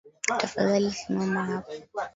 Tafadhali simama hapa.